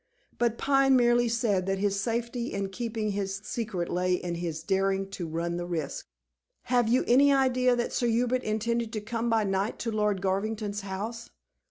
But Pine merely said that his safety in keeping his secret lay in his daring to run the risk." "Have you any idea that Sir Hubert intended to come by night to Lord Garvington's house?"